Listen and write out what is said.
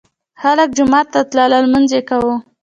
خلک جومات ته تلل او لمونځ یې کاوه.